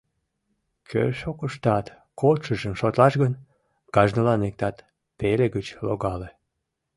Кӧршӧкыштат кодшыжым шотлаш гын, кажнылан иктат пеле гыч логале.